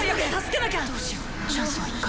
チャンスは１回。